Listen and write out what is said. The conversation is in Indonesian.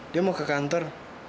dia mau ke kantor